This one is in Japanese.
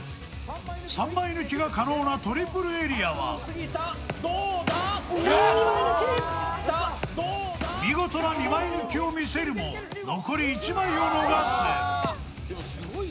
３枚抜きが可能なトリプルエリアは見事な２枚抜きを見せるも残り１枚を逃す。